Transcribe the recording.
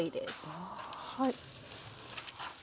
はい。